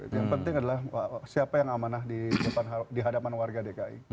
yang penting adalah siapa yang amanah di hadapan warga dki